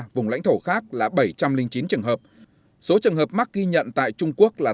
vùng lãnh thổ khác là bảy trăm linh chín trường hợp số trường hợp mắc ghi nhận tại trung quốc là tám mươi bảy trăm ba mươi năm